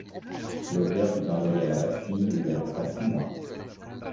L'auteur fut envoyé à la Bastille, où il resta six mois.